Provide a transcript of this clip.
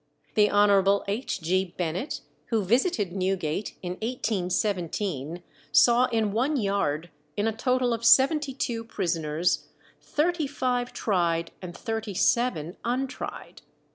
The Hon. H. G. Bennet, who visited Newgate in 1817, saw in one yard, in a total of seventy two prisoners, thirty five tried and thirty seven untried.